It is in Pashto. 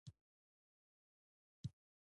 د تنارې پر سر تېغنه ولاړه وه.